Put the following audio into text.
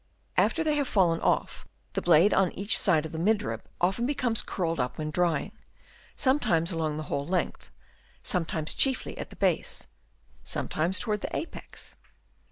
After they have fallen off, the blade on each side of the midrib often becomes curled up while drying, sometimes along the whole length, sometimes chiefly at the base, sometimes towards the apex.